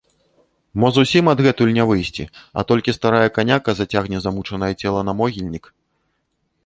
Мо зусім адгэтуль не выйсці, а толькі старая каняка зацягне замучанае цела на могільнік?